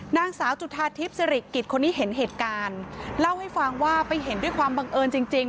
นางสาวจุธาทิพย์สิริกิจคนที่เห็นเหตุการณ์เล่าให้ฟังว่าไปเห็นด้วยความบังเอิญจริงจริง